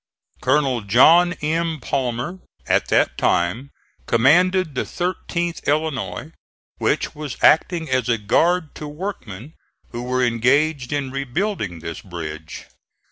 Colonel John M. Palmer at that time commanded the 13th Illinois, which was acting as a guard to workmen who were engaged in rebuilding this bridge.